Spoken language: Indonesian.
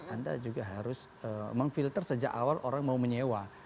anda juga harus memfilter sejak awal orang mau menyewa